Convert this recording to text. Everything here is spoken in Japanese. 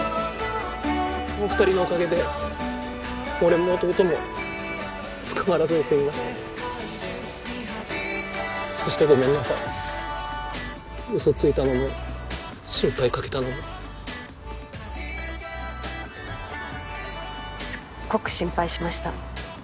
お二人のおかげで俺も弟も捕まらずに済みましたそしてごめんなさい嘘ついたのも心配かけたのもすっごく心配しました